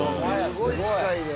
すごい近いね。